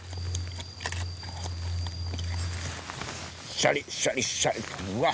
シャリシャリシャリ。